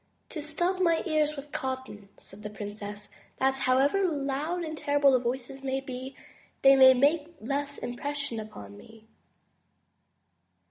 *'To stop my ears with cotton," said the princess, that, however loud and terrible the voices may be, they may make less impression upon me."